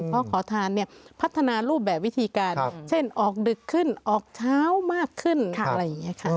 เพราะขอทานเนี่ยพัฒนารูปแบบวิธีการเช่นออกดึกขึ้นออกเช้ามากขึ้นอะไรอย่างนี้ค่ะ